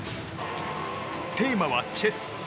テーマはチェス。